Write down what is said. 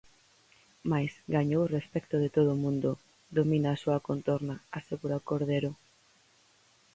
Mais "gañou o respecto de todo o mundo", "domina a súa contorna", asegura Cordero.